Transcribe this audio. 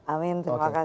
amin terima kasih banyak